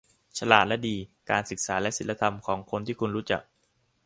ฉลาดและดี : การศึกษาและศีลธรรมของคนที่คุณรู้จัก